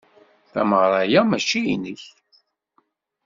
Tameɣra-a mačči inek.